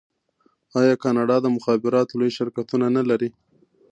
آیا کاناډا د مخابراتو لوی شرکتونه نلري؟